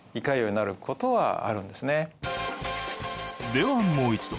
ではもう一度。